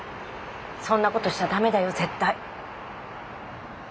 そんなことしちゃ駄目だよ絶対。